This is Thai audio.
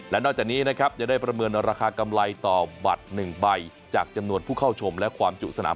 และนอกจากนี้นะครับจะได้ประเมินราคากำไรต่อบัตร๑ใบจากจำนวนผู้เข้าชมและความจุสนาม